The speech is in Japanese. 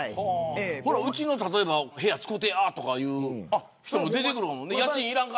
うちの部屋使ってやとか言う人も出てくるかもね。